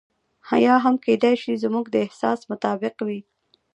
یا هم کېدای شي زموږ د احساس مطابق وي.